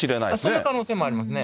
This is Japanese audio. その可能性もありますね。